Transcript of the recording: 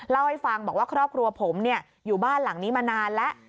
เล่าให้ฟังบอกว่าครอบครัวผมอยู่บ้านหลังนี้มานานแล้ว